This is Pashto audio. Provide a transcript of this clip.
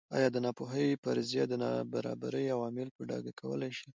ایا د ناپوهۍ فرضیه د نابرابرۍ عوامل په ډاګه کولای شي.